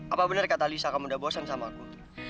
apa benar kata alisa kamu udah bosan sama aku